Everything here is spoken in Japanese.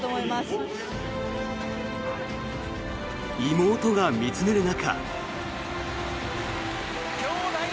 妹が見つめる中。